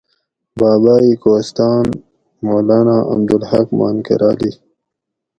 بابائے کوہستان مولانا عبدالحق مانکرالی